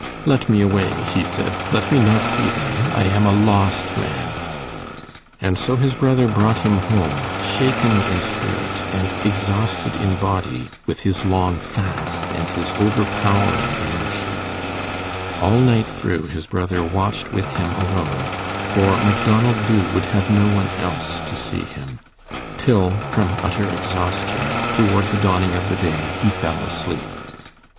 "Let me away," he said. "Let me not see them. I am a lost man." And so his brother brought him home, shaken in spirit and exhausted in body with his long fast and his overpowering emotion. All night through his brother watched with him alone, for Macdonald Dubh would have no one else to see him, till, from utter exhaustion, toward the dawning of the day, he fell asleep.